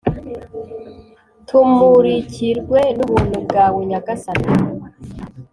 Tumurikirwe n’ubuntu bwawe Nyagasani